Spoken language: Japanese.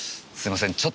すいません